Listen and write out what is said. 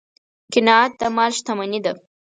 قناعت د مال شتمني ده.